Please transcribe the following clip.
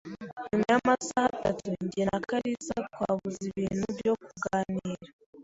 Nyuma yamasaha atatu, jye na kalisa twabuze ibintu byo kuganira.